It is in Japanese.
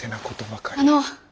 あの。